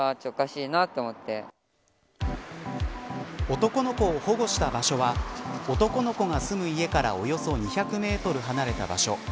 男の子を保護した場所は男の子が住む家からおよそ２００メートル離れた場所。